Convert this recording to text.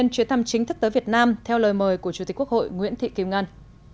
chuyến thăm chính thức tới việt nam theo lời mời của chủ tịch quốc hội nguyễn thị kim ngân